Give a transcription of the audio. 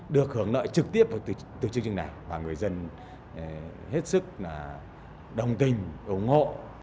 được hưởng lợi trực tiếp từ chương trình này và người dân hết sức đồng tình ủng hộ